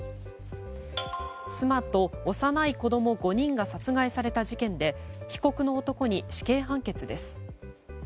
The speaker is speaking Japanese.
妻と幼い子供５人が殺害された事件で被告の男に死刑判決です。